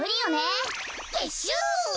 てっしゅう！